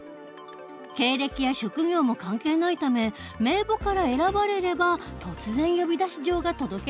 経歴や職業も関係ないため名簿から選ばれれば突然呼出状が届けられる事に。